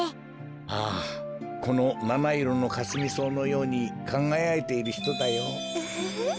ああこのなないろのカスミソウのようにかがやいているひとだよ。